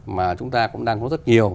mà chúng ta cũng đang có rất nhiều